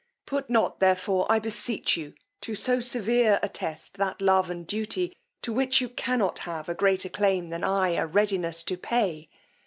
Put not therefore, I beseech you, to so severe a test that love and duty, to which you cannot have a greater claim than I a readiness to pay?